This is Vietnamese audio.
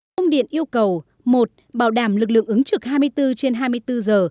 công điện yêu cầu một bảo đảm lực lượng ứng trực hai mươi bốn trên hai mươi bốn giờ